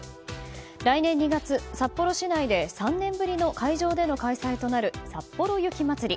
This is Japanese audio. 来年２月、札幌市内で３年ぶりの会場での開催となるさっぽろ雪まつり。